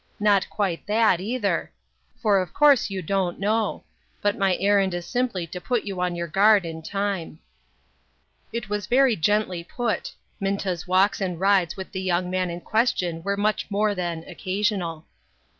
Not quite that, either ; for of course you don't know ; but my errand is simply to put you on your guard in time." It was very gently put ; Minta's walks and rides UNWELCOME RESPONSIBILITIES. 41 with the young man in question were much mere than "occasional."